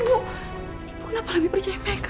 dari nek nggak ada problem nek